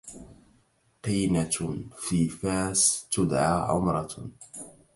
قينة في فاس تدعى عمرة